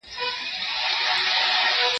له بارانه دي ولاړ کړمه ناوې ته